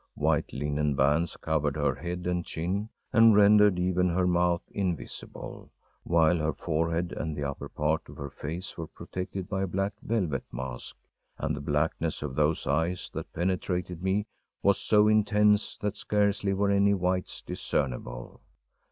White linen bands covered her head and chin, and rendered even her mouth invisible, while her forehead and the upper part of her face were protected by a black velvet mask. And the blackness of those eyes that penetrated me was so intense that scarcely were any whites discernible.